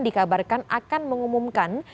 dikabarkan akan mengumumkan